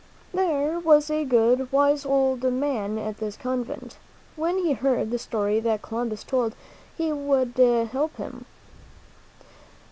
There was a good, wise old man at this convent. When he heard the story that Columbus told, he said he would help him.